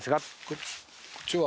こっちは？